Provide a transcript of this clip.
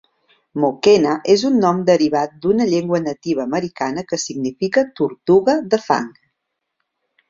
Mokena és un nom derivat d'una llengua nativa americana que significa "tortuga de fang".